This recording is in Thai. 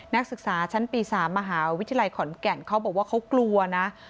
นักศึกษาชั้นปี๓มหาวิทยาลัยขอนแก่นเขาบอกว่าเขากลัวนะ